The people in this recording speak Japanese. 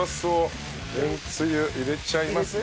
めんつゆ入れちゃいますね。